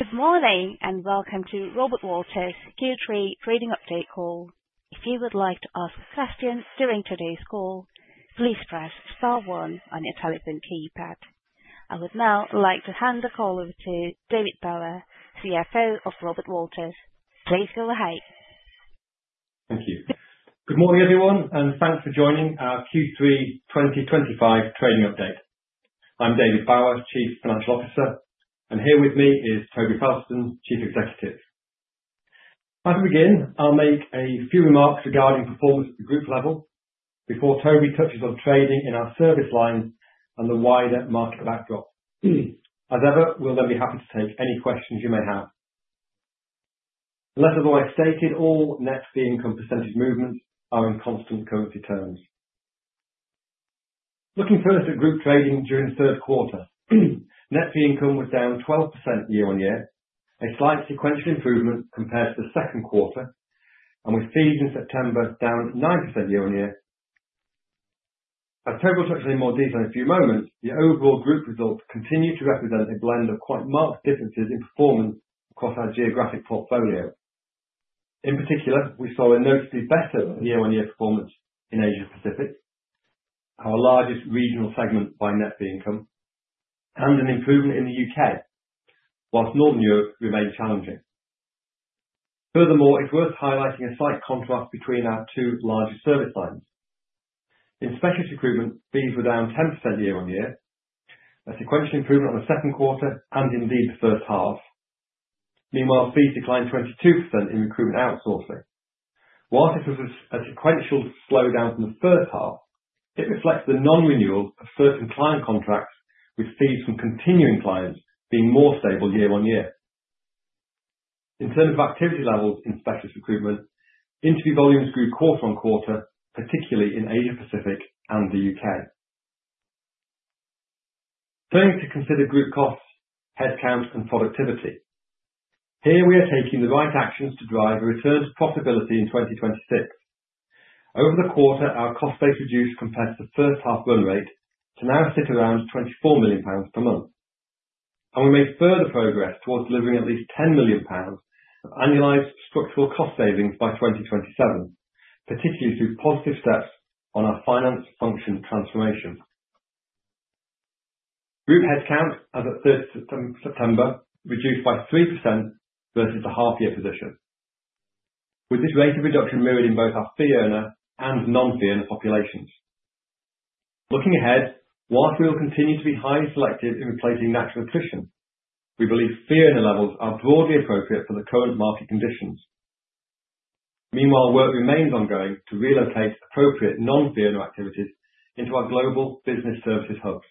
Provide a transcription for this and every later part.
Good morning and welcome to Robert Walters Q3 Trading Update Call. If you would like to ask a question during today's call, please press star one on your telephone keypad. I would now like to hand the call over to David Bower, CFO of Robert Walters. Please go ahead. Thank you. Good morning, everyone, and thanks for joining our Q3 2025 Trading Update. I'm David Bower, Chief Financial Officer, and here with me is Toby Fowlston, Chief Executive. As we begin, I'll make a few remarks regarding performance at the group level before Toby touches on trading in our service lines and the wider market backdrop. As ever, we'll then be happy to take any questions you may have. Unless, as always stated, all net fee income percentage movements are in constant currency terms. Looking first at group trading during the third quarter, net fee income was down 12% year on year, a slight sequential improvement compared to the second quarter, and with fees in September down 9% year on year. As Toby will touch on in more detail in a few moments, the overall group results continue to represent a blend of quite marked differences in performance across our geographic portfolio. In particular, we saw a noticeably better year-on-year performance in Asia Pacific, our largest regional segment by net fee income, and an improvement in the U.K., whilst Northern Europe remained challenging. Furthermore, it's worth highlighting a slight contrast between our two largest service lines. In Specialist Recruitment, fees were down 10% year on year, a sequential improvement on the second quarter and indeed the first half. Meanwhile, fees declined 22% in Recruitment Outsourcing. Whilst this was a sequential slowdown from the first half, it reflects the non-renewal of certain client contracts, with fees from continuing clients being more stable year on year. In terms of activity levels in Specialist Recruitment, interview volumes grew quarter on quarter, particularly in Asia Pacific and the U.K. Turning to consider group costs, headcount, and productivity, here we are taking the right actions to drive a return to profitability in 2026. Over the quarter, our cost base reduced compared to the first half run rate to now sit around 24 million pounds per month, and we made further progress towards delivering at least 10 million pounds of annualized structural cost savings by 2027, particularly through positive steps on our finance function transformation. Group headcount, as of 3rd September, reduced by 3% versus the half-year position, with this rate of reduction mirrored in both our fee earner and non-fee earner populations. Looking ahead, while we will continue to be highly selective in replacing natural attrition, we believe fee earner levels are broadly appropriate for the current market conditions. Meanwhile, work remains ongoing to relocate appropriate non-fee earner activities into our Global Business Services hubs.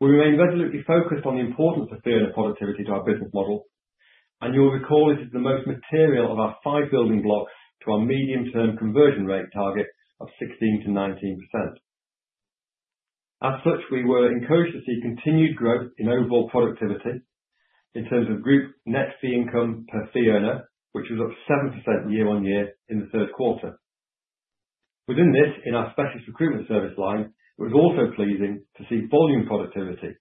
We remain resolutely focused on the importance of fee earner productivity to our business model, and you'll recall this is the most material of our five building blocks to our medium-term conversion rate target of 16%-19%. As such, we were encouraged to see continued growth in overall productivity in terms of group net fee income per fee earner, which was up 7% year on year in the third quarter. Within this, in our Specialist Recruitment service line, it was also pleasing to see volume productivity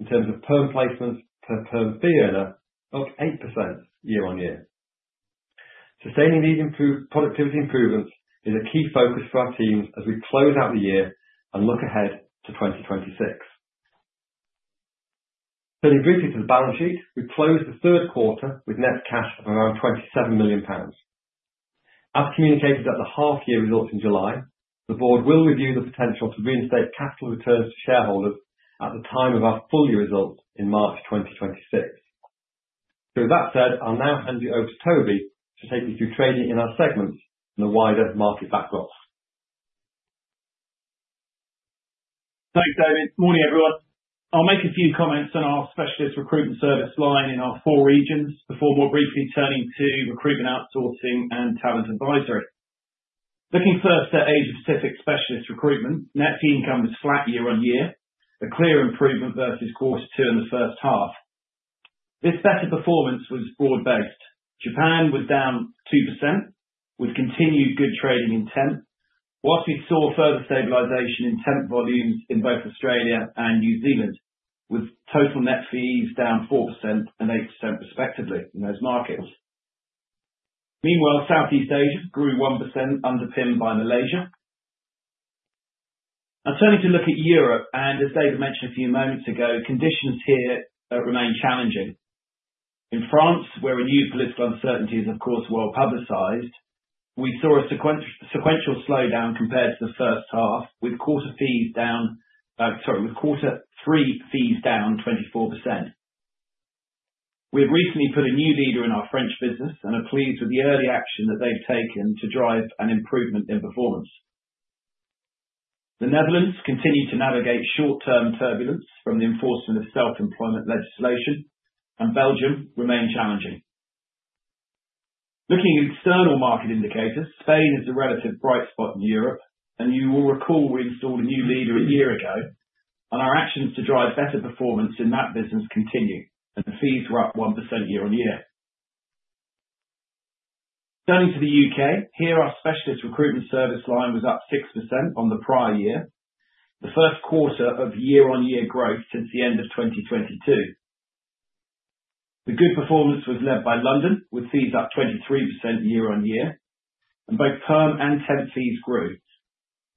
in terms of per placement per fee earner of 8% year on year. Sustaining these improved productivity improvements is a key focus for our teams as we close out the year and look ahead to 2026. Turning briefly to the balance sheet, we closed the third quarter with net cash of around 27 million pounds. As communicated at the half-year results in July, the board will review the potential to reinstate capital returns to shareholders at the time of our full year results in March 2026, so with that said, I'll now hand you over to Toby to take you through trading in our segments and the wider market backdrop. Thanks, David. Morning, everyone. I'll make a few comments on our Specialist Recruitment service line in our four regions before more briefly turning to Recruitment Outsourcing and Talent Advisory. Looking first at Asia Pacific Specialist Recruitment, net fee income was flat year on year, a clear improvement versus quarter two and the first half. This better performance was broad-based. Japan was down 2%, with continued good trading intent, while we saw further stabilization in temp volumes in both Australia and New Zealand, with total net fees down 4% and 8% respectively in those markets. Meanwhile, Southeast Asia grew 1%, underpinned by Malaysia. Now turning to look at Europe, and as David mentioned a few moments ago, conditions here remain challenging. In France, where renewed political uncertainty is, of course, well publicized, we saw a sequential slowdown compared to the first half, with quarter fees down, sorry, with quarter three fees down 24%. We have recently put a new leader in our French business and are pleased with the early action that they've taken to drive an improvement in performance. The Netherlands continued to navigate short-term turbulence from the enforcement of self-employment legislation, and Belgium remained challenging. Looking at external market indicators, Spain is a relative bright spot in Europe, and you will recall we installed a new leader a year ago, and our actions to drive better performance in that business continue, and fees were up 1% year on year. Turning to the U.K., here our Specialist Recruitment service line was up 6% on the prior year, the first quarter of year-on-year growth since the end of 2022. The good performance was led by London, with fees up 23% year on year, and both perm and temp fees grew,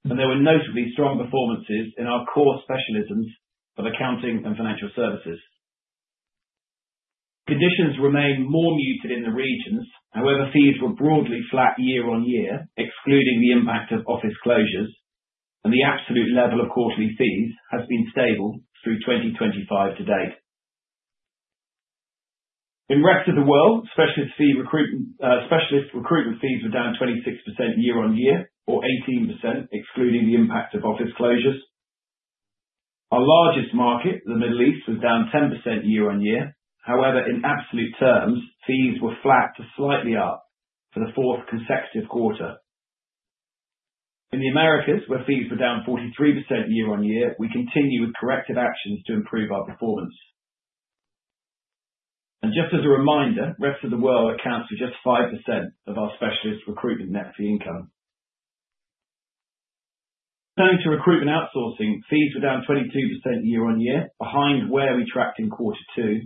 and there were notably strong performances in our core specialisms of accounting and financial services. Conditions remain more muted in the regions. However, fees were broadly flat year on year, excluding the impact of office closures, and the absolute level of quarterly fees has been stable through 2025 to date. In the rest of the world, Specialist Recruitment fees were down 26% year on year, or 18%, excluding the impact of office closures. Our largest market, the Middle East, was down 10% year on year. However, in absolute terms, fees were flat to slightly up for the fourth consecutive quarter. In the Americas, where fees were down 43% year on year, we continue with corrective actions to improve our performance. Just as a reminder, the rest of the world accounts for just 5% of our Specialist Recruitment net fee income. Turning to Recruitment Outsourcing, fees were down 22% year on year, behind where we tracked in quarter two,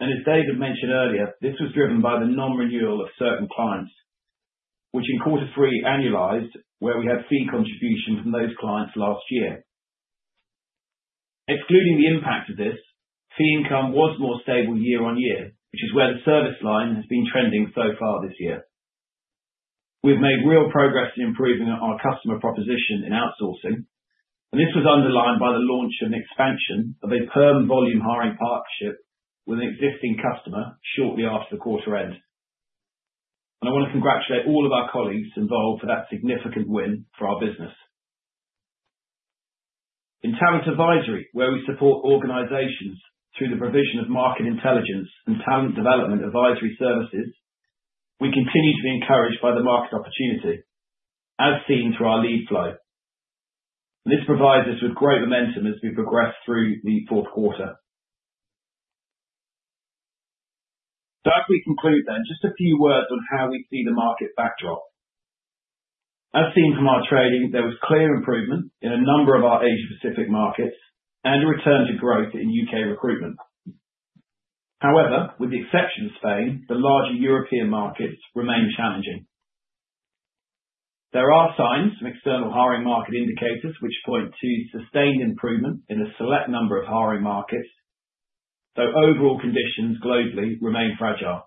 and as David mentioned earlier, this was driven by the non-renewal of certain clients, which in quarter three annualized, where we had fee contribution from those clients last year. Excluding the impact of this, fee income was more stable year on year, which is where the service line has been trending so far this year. We've made real progress in improving our customer proposition in outsourcing, and this was underlined by the launch of an expansion of a perm volume hiring partnership with an existing customer shortly after the quarter end. I want to congratulate all of our colleagues involved for that significant win for our business. In Talent Advisory, where we support organizations through the provision of market intelligence and talent development advisory services, we continue to be encouraged by the market opportunity, as seen through our lead flow. This provides us with great momentum as we progress through the fourth quarter. So as we conclude then, just a few words on how we see the market backdrop. As seen from our trading, there was clear improvement in a number of our Asia Pacific markets and a return to growth in U.K. recruitment. However, with the exception of Spain, the larger European markets remain challenging. There are signs from external hiring market indicators, which point to sustained improvement in a select number of hiring markets, though overall conditions globally remain fragile.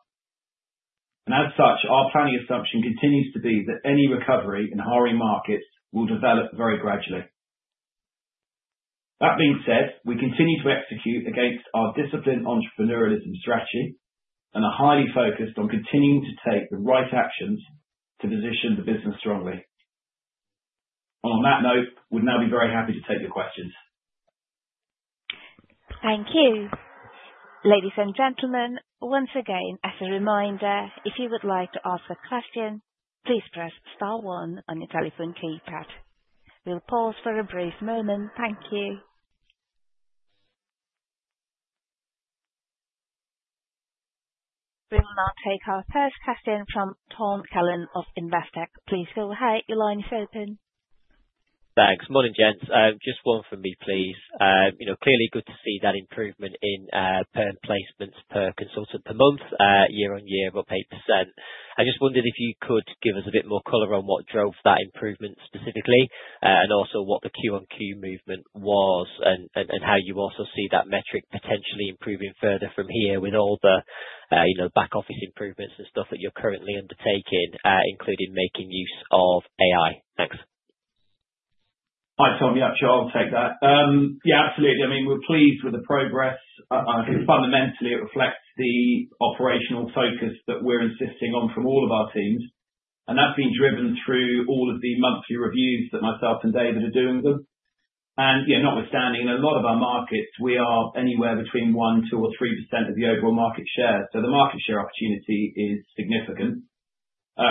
And as such, our planning assumption continues to be that any recovery in hiring markets will develop very gradually. That being said, we continue to execute against our disciplined entrepreneurialism strategy and are highly focused on continuing to take the right actions to position the business strongly. And on that note, we'd now be very happy to take your questions. Thank you. Ladies and gentlemen, once again, as a reminder, if you would like to ask a question, please press star one on your telephone keypad. We'll pause for a brief moment. Thank you. We will now take our first question from Tom Kellen of Investec. Please go ahead. Your line is open. Thanks. Morning, gents. Just one for me, please. Clearly, good to see that improvement in perm placements per consultant per month, year on year, about 8%. I just wondered if you could give us a bit more color on what drove that improvement specifically, and also what the Q1Q movement was, and how you also see that metric potentially improving further from here with all the back office improvements and stuff that you're currently undertaking, including making use of AI. Thanks. Hi, Tom. Yeah, sure, I'll take that. Yeah, absolutely. I mean, we're pleased with the progress. Fundamentally, it reflects the operational focus that we're insisting on from all of our teams, and that's been driven through all of the monthly reviews that myself and David are doing with them. And notwithstanding, in a lot of our markets, we are anywhere between 1%, 2%, or 3% of the overall market share. So the market share opportunity is significant.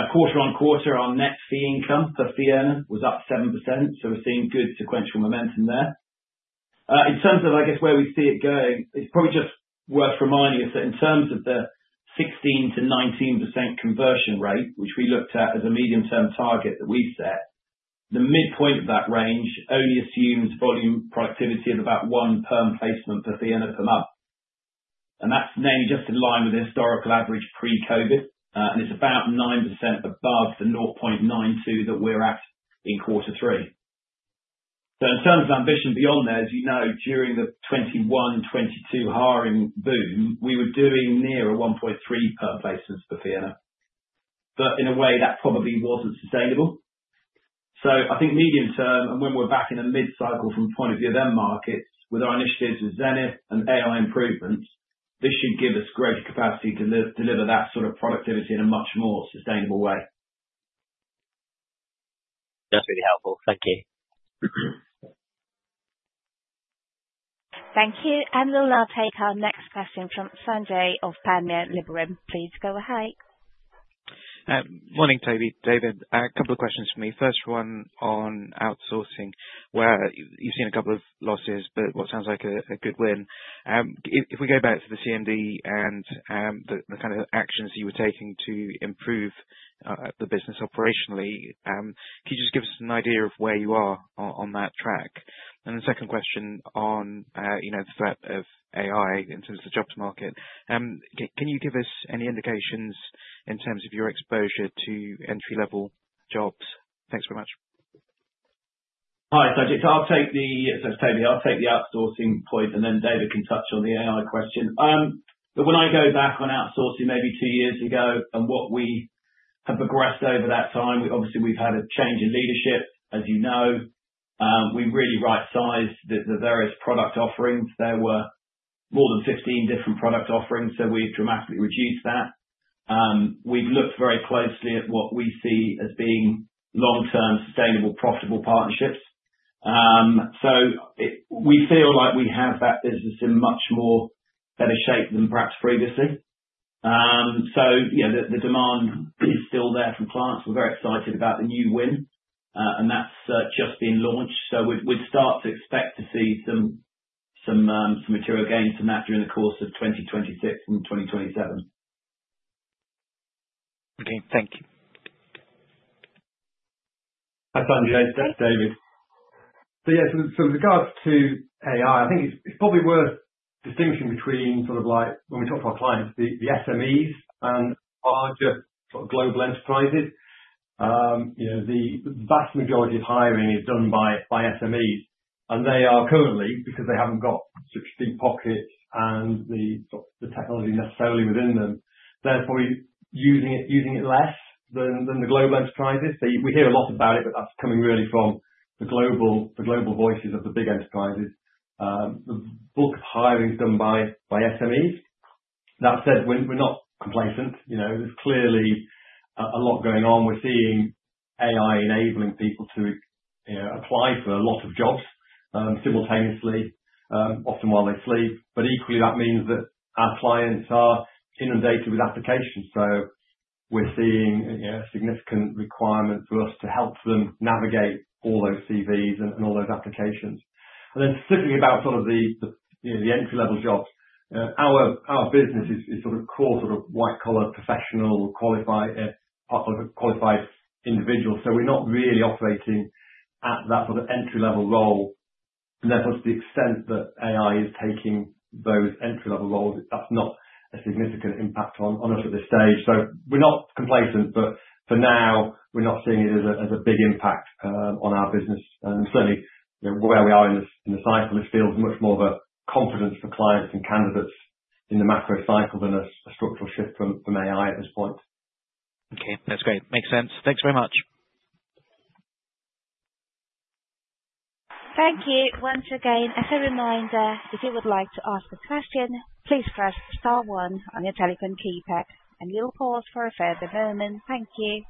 Quarter on quarter, our net fee income per fee earner was up 7%, so we're seeing good sequential momentum there. In terms of, I guess, where we see it going, it's probably just worth reminding us that in terms of the 16%-19% conversion rate, which we looked at as a medium-term target that we've set, the midpoint of that range only assumes volume productivity of about one perm placement per fee earner per month. And that's mainly just in line with the historical average pre-COVID, and it's about 9% above the 0.92 that we're at in quarter three. So in terms of ambition beyond there, as you know, during the 2021-2022 hiring boom, we were doing near a 1.3 perm placements per fee earner. But in a way, that probably wasn't sustainable. I think medium-term, and when we're back in a mid-cycle from the point of view of end markets, with our initiatives with Zenith and AI improvements, this should give us greater capacity to deliver that sort of productivity in a much more sustainable way. That's really helpful. Thank you. Thank you. And we'll now take our next question from Sanjay of Panmure Liberum. Please go ahead. Morning, Toby, David. A couple of questions for me. First one on outsourcing, where you've seen a couple of losses, but what sounds like a good win. If we go back to the CMD and the kind of actions you were taking to improve the business operationally, can you just give us an idea of where you are on that track, and the second question on the threat of AI in terms of the jobs market. Can you give us any indications in terms of your exposure to entry-level jobs? Thanks very much. Hi, Sanjay. So I'll take the, as I said, Toby, I'll take the outsourcing point, and then David can touch on the AI question. But when I go back on outsourcing maybe two years ago and what we have progressed over that time, obviously, we've had a change in leadership, as you know. We really right-sized the various product offerings. There were more than 15 different product offerings, so we've dramatically reduced that. We've looked very closely at what we see as being long-term sustainable, profitable partnerships. So we feel like we have that business in much more better shape than perhaps previously. So the demand is still there from clients. We're very excited about the new win, and that's just been launched. So we'd start to expect to see some material gains from that during the course of 2026 and 2027. Okay. Thank you. Hi, Sanjay. This is David. So yeah, so with regards to AI, I think it's probably worth distinguishing between sort of like when we talk to our clients, the SMEs and larger sort of global enterprises. The vast majority of hiring is done by SMEs, and they are currently, because they haven't got such deep pockets and the technology necessarily within them, they're probably using it less than the global enterprises. So we hear a lot about it, but that's coming really from the global voices of the big enterprises. The bulk of hiring is done by SMEs. That said, we're not complacent. There's clearly a lot going on. We're seeing AI enabling people to apply for a lot of jobs simultaneously, often while they sleep. But equally, that means that our clients are inundated with applications. We're seeing a significant requirement for us to help them navigate all those CVs and all those applications. And then specifically about sort of the entry level jobs, our business is sort of core sort of white-collar professional qualified individuals. We're not really operating at tha Okay. That's great. Makes sense. Thanks very much. Thank you. Once again, as a reminder, if you would like to ask a question, please press star one on your telephone keypad, and we'll pause for a further moment. Thank you.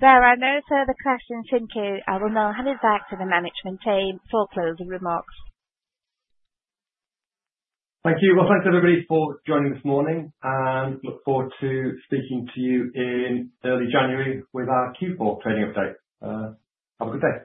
There are no further questions in queue. I will now hand it back to the management team for closing remarks. Thank you. Well, thanks everybody for joining this morning, and look forward to speaking to you in early January with our Q4 trading update. Have a good day.